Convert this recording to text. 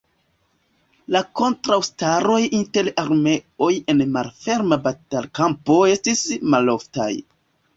La kontraŭstaroj inter armeoj en malferma batalkampo estis maloftaj.